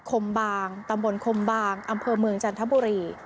คมบางตำบลคมบางอำเภอเมืองจันทบุรี